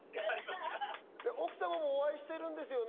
奥様もお会いしてるんですよね？